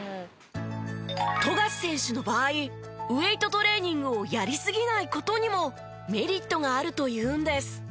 富樫選手の場合ウェートトレーニングをやりすぎない事にもメリットがあるというんです。